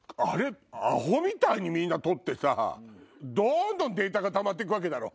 アホみたいにみんな撮ってさどんどんデータがたまって行くわけだろ。